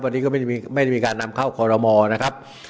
วันนี้ก็ไม่ได้มีการนำเข้าคอรมอนะครับ